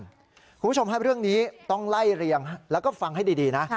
คุณผู้ชมฮะเรื่องนี้ต้องไล่เรียงแล้วก็ฟังให้ดีนะ